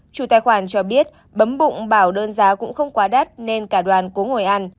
chủ tài khoản cho biết bấm bụng bảo đơn giá cũng không quá đắt nên cả đoàn cố ngồi ăn